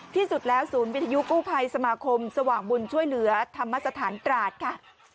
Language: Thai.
ที่สุดแล้วศูนย์วิทยุกู้ภัยสมาคมสว่างบุญช่วยเหลือธรรมสถานตราดค่ะ